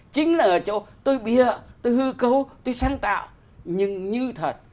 chính là ở chỗ tôi bịa tôi hư cầu tôi sáng tạo nhưng như thật